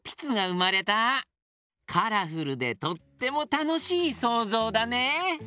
カラフルでとってもたのしいそうぞうだね。